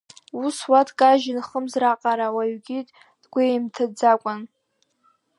Ус уа дкажьын хымз раҟара, уаҩгьы дгәеимҭаӡакәан.